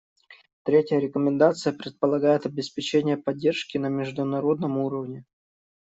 Третья рекомендация предполагает обеспечение поддержки на международном уровне.